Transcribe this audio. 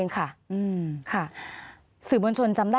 ขอบคุณครับ